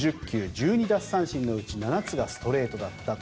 １２奪三振のうち７つがストレートだったと。